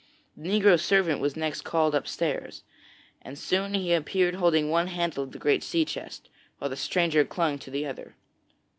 The negro servant was next called upstairs, and soon he appeared holding one handle of the great sea chest, while the stranger clung to the other.